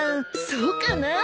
そうかなあ？